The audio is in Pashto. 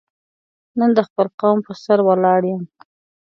نن د خپل قوم په سر ولاړ یم.